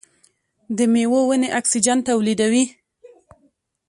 د میوو ونې اکسیجن تولیدوي.